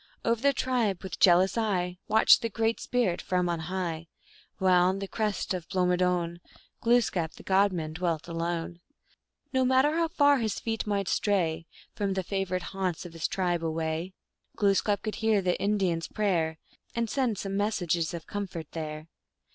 Over the tribe, with jealous eye, Watched the Great Spirit from on high, While on the crest of Blomidon Glooskap, the God man, dwelt alone. No matter how far his feet might stray From the favorite haunts of his tribe away, Glooskap could hear the Indian s prayer, And send some message of comfort there.